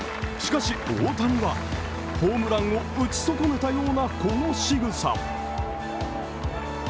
しかし、大谷はホームランを打ち損ねたようなこの仕草。